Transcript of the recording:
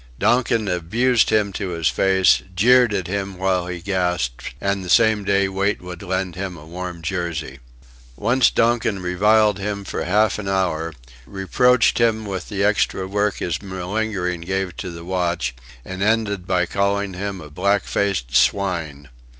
Donkin abused him to his face, jeered at him while he gasped; and the same day Wait would lend him a warm jersey. Once Donkin reviled him for half an hour; reproached him with the extra work his malingering gave to the watch; and ended by calling him "a black faced swine."